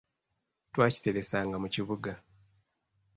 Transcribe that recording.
Twakiteresanga mu kibuga.